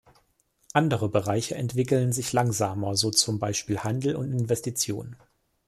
Andere Bereiche entwickeln sich langsamer, so zum Beispiel Handel und Investition.